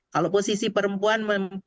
kalau posisi perempuan memilih